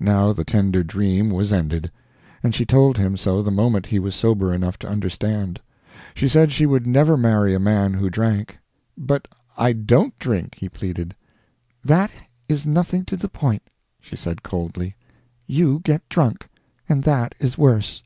Now the tender dream was ended, and she told him so the moment he was sober enough to understand. She said she would never marry a man who drank. "But I don't drink," he pleaded. "That is nothing to the point," she said, coldly, "you get drunk, and that is worse."